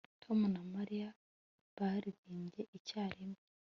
Tom na Mariya baririmbye icyarimwe